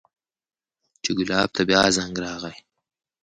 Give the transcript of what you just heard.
چې ګلاب ته بيا زنګ راغى.